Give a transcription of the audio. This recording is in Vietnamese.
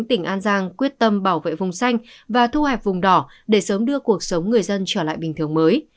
tỉnh an giang quyết tâm bảo vệ vùng xanh và thu hẹp vùng đỏ để sớm đưa cuộc sống người dân trở lại bình thường mới